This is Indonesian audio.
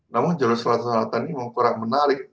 namun jalur selatan ini memang kurang menarik